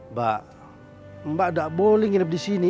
mbak mbak tak boleh nginep di sini